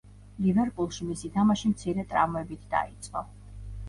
ლივერპულში მისი თამაში მცირე ტრავმებით დაიწყო.